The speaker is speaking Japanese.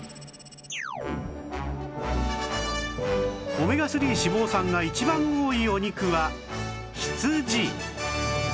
オメガ３脂肪酸が一番多いお肉は羊！